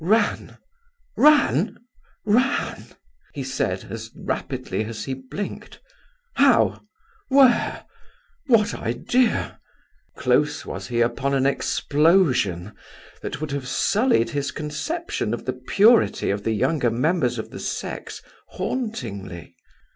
"Ran? ran? ran?" he said as rapidly as he blinked. "How? where? what idea ...?" Close was he upon an explosion that would have sullied his conception of the purity of the younger members of the sex hauntingly.